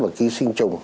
và ký sinh trùng